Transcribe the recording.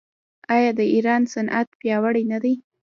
آیا د ایران صنعت پیاوړی نه دی؟